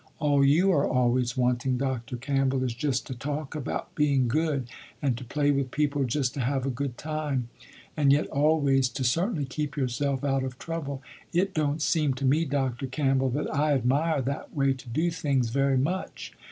All you are always wanting Dr. Campbell, is just to talk about being good, and to play with people just to have a good time, and yet always to certainly keep yourself out of trouble. It don't seem to me Dr. Campbell that I admire that way to do things very much.